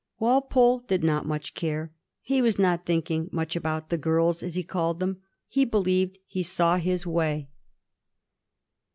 Walpole did not much care. He was not thinking much about ^' the girls," as he called them. He believed he saw his way.